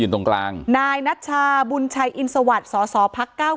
ตรงกลางนายนัชชาบุญชัยอินสวัสดิ์สอสอพักเก้า